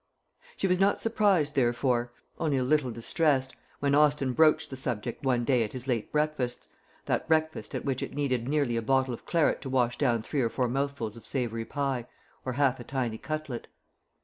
She was not surprised, therefore only a little distressed when Austin broached the subject one day at his late breakfast that breakfast at which it needed nearly a bottle of claret to wash down three or four mouthfuls of savoury pie, or half a tiny cutlet.